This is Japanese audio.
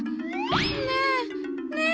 ねえねえ！